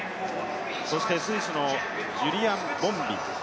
そしてスイスのジュリアン・ボンビン。